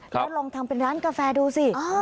แล้วลองทำเป็นร้านกาแฟดูสิ